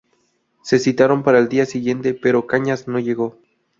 Se citaron para el día siguiente, pero Cañas no llegó.